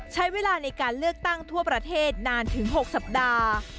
ใช้เวลาในการเลือกตั้งทั่วประเทศนานถึง๖สัปดาห์